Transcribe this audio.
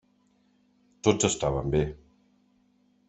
Tots estaven bé.